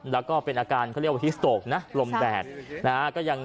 แล้วก็เป็นอาการเขาเรียกว่าฮิสโตรกนะลมแดดนะฮะ